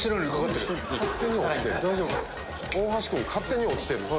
大橋君勝手に落ちてる。